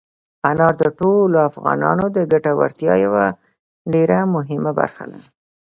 انار د ټولو افغانانو د ګټورتیا یوه ډېره مهمه برخه ده.